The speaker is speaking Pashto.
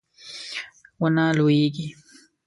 ونه لویږي